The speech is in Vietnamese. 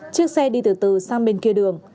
chiếc xe đi từ từ sang bên kia đường